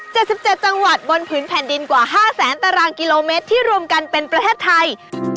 ๗๗จังหวัดบนผืนแผ่นดินกว่าห้าแสนตารางกิโลเมตรที่รวมกันเป็นประเทศไทย